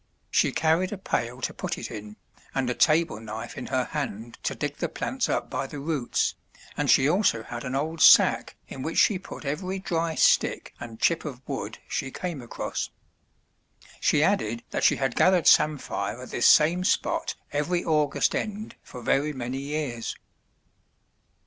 She carried a pail to put it in, and a table knife in her hand to dig the plants up by the roots, and she also had an old sack in which she put every dry stick and chip of wood she came across. She added that she had gathered samphire at this same spot every August end for very many years.